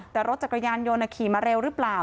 แต่รถจักรยานยนต์ขี่มาเร็วหรือเปล่า